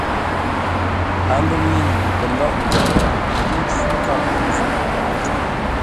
A lə ŋə̂i pəlóghʼtə ə́ ncwí nkâp tû zʉ́ gháʼate.